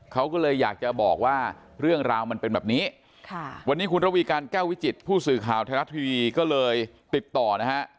เขาก็เลยอยากจะบอกว่าเรื่องราวมันเป็นแบบนี้ค่ะวันนี้คุณระวีการแก้ววิจิตผู้สื่อข่าวไทยรัฐทีวีก็เลยติดต่อนะฮะ